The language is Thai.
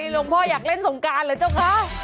หลวงพ่ออยากเล่นสงการเหรอเจ้าคะ